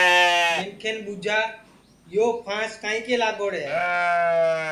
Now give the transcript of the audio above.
منکھین ٻوجھا یو پھانٚس کائیں کے لاگوڑے ہے